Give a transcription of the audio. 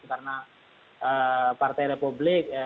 karena partai republik